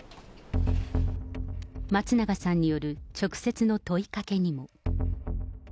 松永さんによる直接の問いかけにも。